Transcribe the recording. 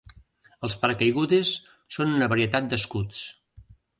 Els paracaigudes són una varietat d'escuts.